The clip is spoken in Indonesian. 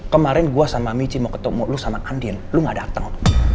kemarin gue sama mici mau ketemu lo sama andien lo gak ada akteng